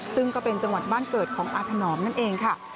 ซึ่งก็เป็นจังหวัดบ้านเกิดของอาถนอมนั่นเองค่ะ